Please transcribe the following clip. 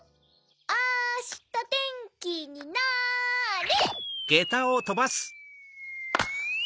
あしたてんきになれ！